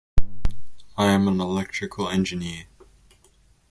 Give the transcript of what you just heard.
I am an Electrical Engineer.